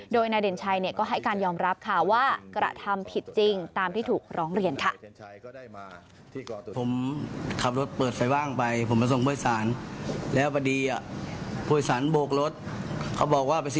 โดยนายเด่นชัยก็ให้การยอมรับค่ะว่ากระทำผิดจริงตามที่ถูกร้องเรียนค่ะ